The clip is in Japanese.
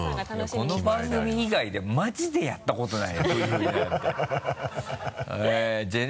この番組以外でマジでやったことないよＶ振りなんて。